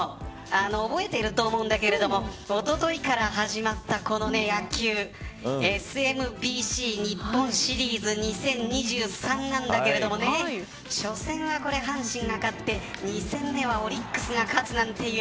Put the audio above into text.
覚えてると思うんだけどおとといから始まった野球ＳＭＢＣ日本シリーズ２０２３なんだけれども初戦は阪神が勝って２戦目はオリックスが勝つなんていう。